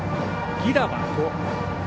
犠打は５。